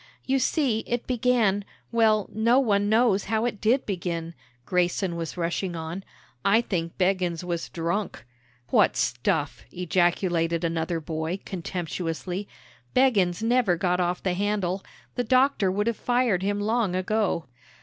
"You see, it began well, no one knows how it did begin," Grayson was rushing on; "I think Beggins was drunk." "What stuff!" ejaculated another boy, contemptuously. "Beggins never got off the handle; the Doctor would have fired him long ago."